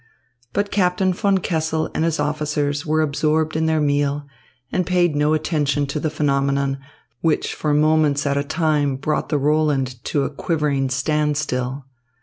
But Captain von Kessel and his officers were absorbed in their meal and paid no attention to the phenomenon, which for moments at a time brought the Roland to a quivering standstill.